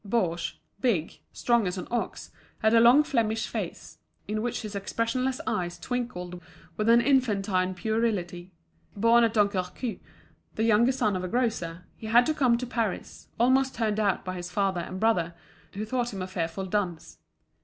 Baugé, big, strong as an ox, had a long Flemish face, in which his expressionless eyes twinkled with an infantine puerility. Born at Dunkerque, the younger son of a grocer, he had come to Paris, almost turned out by his father and brother, who thought him a fearful dunce.